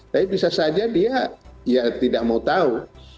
tapi bisa saja dia ya tidak mau tahu